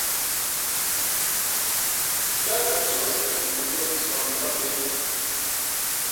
Yáá peʼ mά siʼ mōō mά mᾱncāk njwíátlᾱ í.